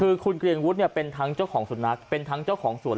คือคุณเกรียงวุฒิเนี่ยเป็นทั้งเจ้าของสุนัขเป็นทั้งเจ้าของสวน